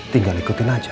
tinggal ikutin aja